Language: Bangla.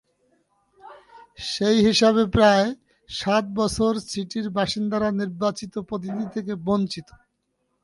সেই হিসাবে প্রায় সাত বছর সিটির বাসিন্দারা নির্বাচিত প্রতিনিধি থেকে বঞ্চিত।